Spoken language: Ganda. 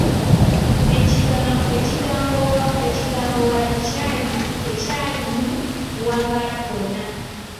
Ekigambo “waala” tekyalimu kuwangaala kwonna.